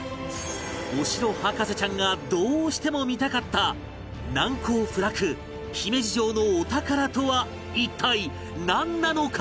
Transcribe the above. お城博士ちゃんがどうしても見たかった難攻不落姫路城のお宝とは一体なんなのか？